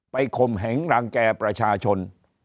ข่มเหงรังแก่ประชาชน